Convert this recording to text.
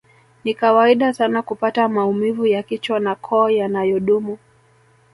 Ni kawaida sana kupata maumivu ya kichwa na koo yanayodumu